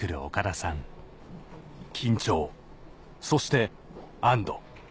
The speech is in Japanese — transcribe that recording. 緊張そして安堵